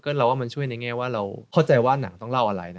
เราว่ามันช่วยในแง่ว่าเราเข้าใจว่าหนังต้องเล่าอะไร